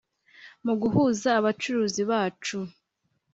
mu guhuza abacuruzi bacu